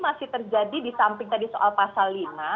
masih terjadi disamping tadi soal pasal lima